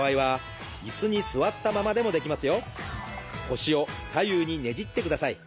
腰を左右にねじってください。